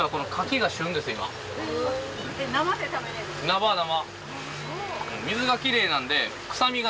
生生。